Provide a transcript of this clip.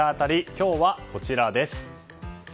今日はこちらです。